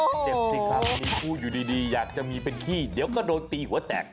เจ็บสิครับมีคู่อยู่ดีอยากจะมีเป็นขี้เดี๋ยวก็โดนตีหัวแตก